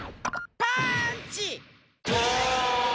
パーンチ！